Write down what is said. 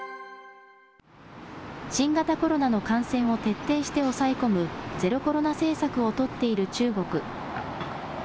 新型コロナの感染を徹底して抑え込む、ゼロコロナ政策を取っている中国。